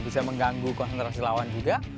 bisa mengganggu konsentrasi lawan juga